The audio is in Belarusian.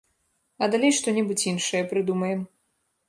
А далей што-небудзь іншае прыдумаем.